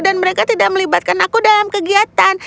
dan mereka tidak melibatkan aku dalam kegiatan